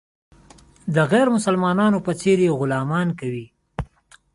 د غیر مسلمانانو په څېر یې غلامان کوي.